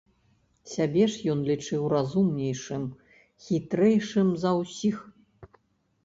Сябе ж ён лічыў разумнейшым, хітрэйшым за ўсіх.